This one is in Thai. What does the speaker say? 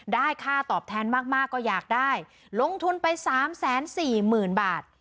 ได้ค่าตอบแทนมากมากก็อยากได้ลงทุนไปสามแสนสี่หมื่นบาท